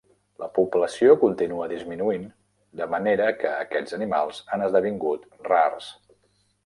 La població continua disminuint, de manera que aquests animals han esdevingut rars.